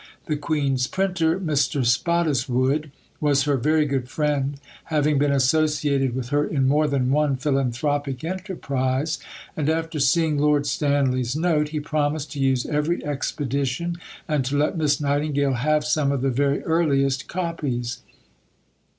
The Queen's printer, Mr. Spottiswoode, was her very good friend, having been associated with her in more than one philanthropic enterprise, and, after seeing Lord Stanley's note, he promised to use every expedition and to let Miss Nightingale have some of the very earliest copies.